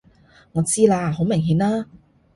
我知啦！好明顯啦！